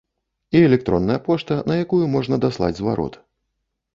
І электронная пошта, на якую можна даслаць зварот.